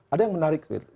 ada yang menarik